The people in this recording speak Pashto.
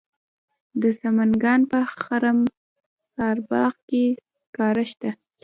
د سمنګان په خرم سارباغ کې سکاره شته.